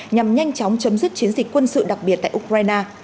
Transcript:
nhằm nhanh chóng chấm dứt chiến dịch quân sự đặc biệt tại ukraine